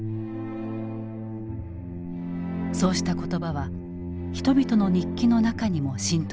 そうした言葉は人々の日記の中にも浸透していた。